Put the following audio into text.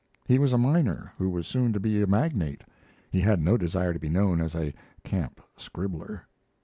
He was a miner who was soon to be a magnate; he had no desire to be known as a camp scribbler.